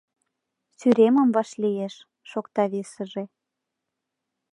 Сӱремым вашлиеш, — шокта весыже.